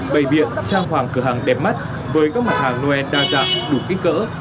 bày biện trang hoàng cửa hàng đẹp mắt với các mặt hàng noel đa dạng đủ kích cỡ